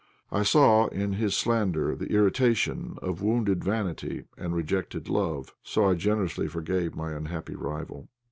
I saw in his slander the irritation of wounded vanity and rejected love, so I generously forgave my unhappy rival.